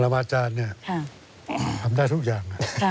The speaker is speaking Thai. บาจารย์เนี่ยทำได้ทุกอย่าง